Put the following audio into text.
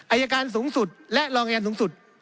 อายการสูงสุดและรองอายการสูงสุด